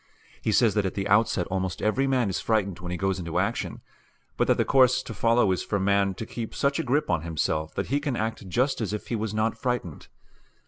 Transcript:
He says that at the outset almost every man is frightened when he goes into action, but that the course to follow is for the man to keep such a grip on himself that he can act just as if he was not frightened.